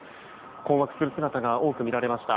困惑する姿が多く見られました。